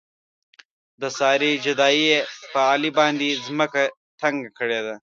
د سارې جدایۍ په علي باندې ځمکه تنګه کړې ده.